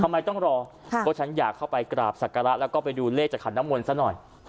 ทำไมต้องรอเพราะฉันอยากเข้าไปกราบศักระแล้วก็ไปดูเลขจากขันน้ำมนต์ซะหน่อย